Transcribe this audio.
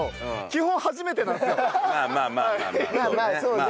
まあまあまあまあそうね。